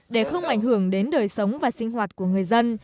để không ảnh hưởng đến đời sống và sinh hoạt của người dân